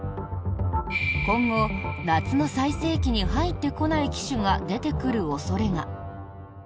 今後、夏の最盛期に入ってこない機種が出てくる恐れが。